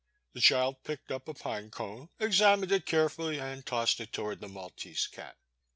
" The child picked up a pine cone, examined it carefully, and tossed it toward the Maltese cat.